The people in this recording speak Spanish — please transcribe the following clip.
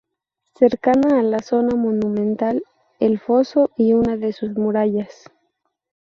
Cercana a la zona monumental, el foso y una de sus murallas.